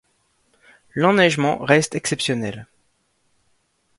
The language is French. L'enneigement reste exceptionnel.